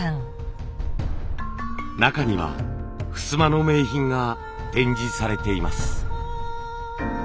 中にはふすまの名品が展示されています。